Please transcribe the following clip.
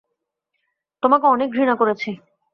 তোমাকে অনেক ঘৃণা করেছি।